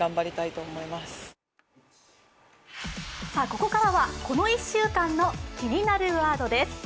ここからはこの１週間の気になるワードです。